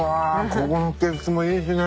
ここの景色もいいしね。